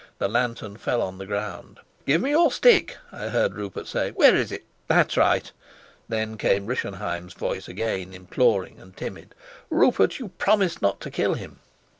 The lantern fell on the ground. "Give me your stick!" I heard Rupert say. "Where is it? That's right!" Then came Rischenheim's voice again, imploring and timid: "Rupert, you promised not to kill him."